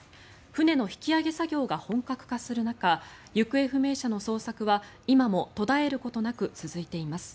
船の引き揚げ作業が本格化する中行方不明者の捜索は今も途絶えることなく続いています。